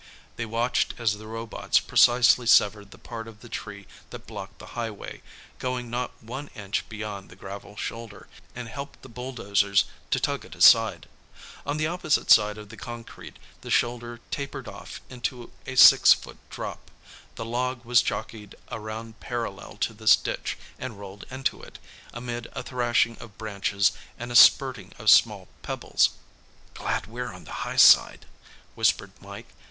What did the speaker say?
They watched as the robots precisely severed the part of the tree that blocked the highway, going not one inch beyond the gravel shoulder, and helped the bulldozers to tug it aside. On the opposite side of the concrete, the shoulder tapered off into a six foot drop. The log was jockeyed around parallel to this ditch and rolled into it, amid a thrashing of branches and a spurting of small pebbles. "Glad we're on the high side," whispered Mike.